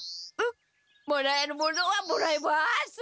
もらえるものはもらいます。